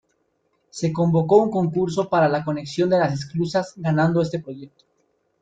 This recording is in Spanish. Se convocó un concurso para la conexión de las esclusas, ganando este proyecto.